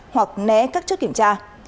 hoặc né các chất kiểm tra